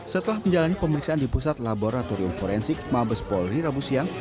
setelah menjalani pemeriksaan di pusat laboratorium forensik mabes polri rabu siang